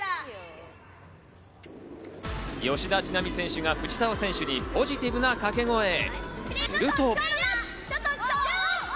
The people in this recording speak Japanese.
吉田知那美選手が藤澤選手にポジティブな掛け声。